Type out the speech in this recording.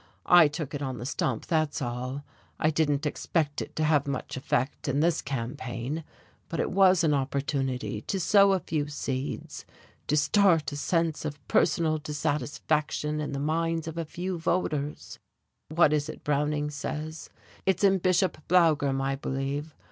I took it on the stump, that's all. I didn't expect it to have much effect in this campaign, but it was an opportunity to sow a few seeds, to start a sense of personal dissatisfaction in the minds of a few voters. What is it Browning says? It's in Bishop Blougram, I believe.